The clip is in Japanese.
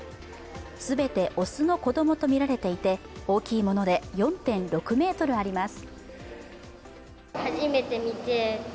全て雄の子供とみられていて大きいもので４．６ｍあります。